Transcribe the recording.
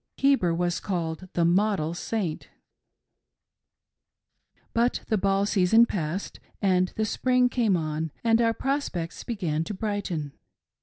Heber.was called the model Saint !" But the ball season passed, and the spring came on and our prospects began to brighten.